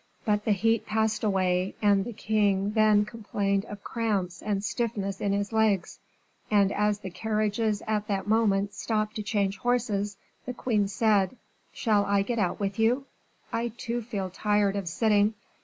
But the heat passed away, and the king then complained of cramps and stiffness in his legs, and as the carriages at that moment stopped to change horses, the queen said: "Shall I get out with you? I too feel tired of sitting.